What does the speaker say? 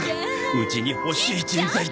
うちに欲しい人材だ！